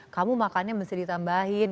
kamu makannya mesti ditambahin